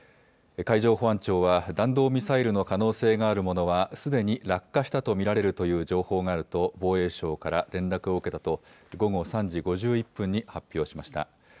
海上保安庁は弾道ミサイルの可能性があるものはすでに落下したと見られるという情報があると防衛省から連絡を受けたと午後３時５１分に発表しました。